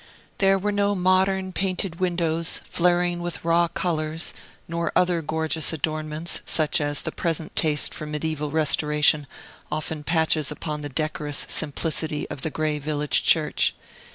There were no modern painted windows, flaring with raw colors, nor other gorgeous adornments, such as the present taste for mediaeval restoration often patches upon the decorous simplicity of the gray village church.